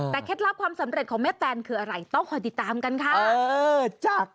แต่เคล็ดลับความสำเร็จของแม่แตนคืออะไรต้องคอยติดตามกันค่ะ